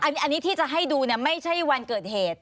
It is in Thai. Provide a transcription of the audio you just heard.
อันนี้ที่จะให้ดูไม่ใช่วันเกิดเหตุ